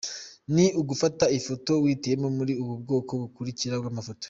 Ni ugufata ifoto wihitiyemo muri ubu bwoko bukurikira bw’amafoto:.